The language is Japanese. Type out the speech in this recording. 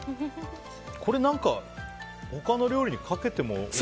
これ、何か他の料理にかけてもおいしい。